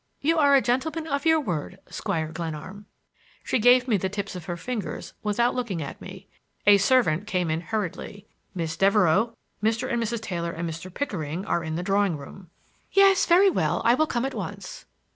You are a gentleman of your word, Squire Glenarm!" She gave me the tips of her fingers without looking at me. A servant came in hurriedly. "Miss Devereux, Mr. and Mrs. Taylor and Mr. Pickering are in the drawing room." "Yes; very well; I will come at once."